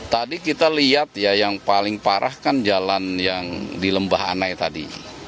tadi kita lihat ya yang paling parah kan jalan yang di lembah anai tadi